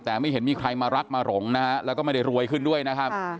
แต่ไม่เห็นมีใครมารักมาหลงนะฮะแล้วก็ไม่ได้รวยขึ้นด้วยนะครับ